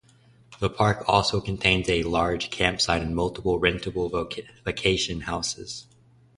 The park also contains a large campsite and multiple rentable vacation houses.